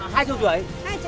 bác đi đi